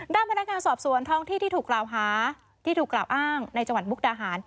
ด้านพนักงานสอบสวนท้องที่ที่ถูกกล่าวหาที่ถูกกล่าวอ้างในจังหวัดมุกดาหาร